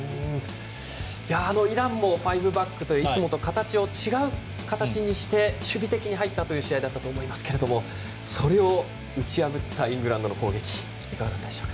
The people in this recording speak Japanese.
イランもファイブバックでいつもと形を違う形にして守備的に入った試合だったと思いますけれどもそれを打ち破ったイングランドの攻撃いかがでしたか？